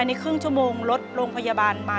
เปลี่ยนเพลงเพลงเก่งของคุณและข้ามผิดได้๑คำ